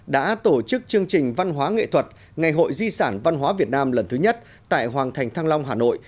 đã tổ chức chương trình văn hóa nghệ thuật ngày hội di sản văn hóa việt nam lần thứ nhất tại hoàng thành thăng long hà nội